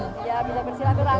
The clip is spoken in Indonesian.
bisa bersihlah terang